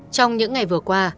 trong những ngày vừa qua